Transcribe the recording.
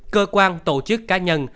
cơ quan tổ chức cá nhân